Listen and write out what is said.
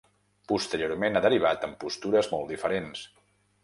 Posteriorment ha derivat en postures molt diferents.